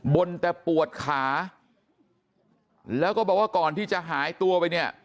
นแต่ปวดขาแล้วก็บอกว่าก่อนที่จะหายตัวไปเนี่ย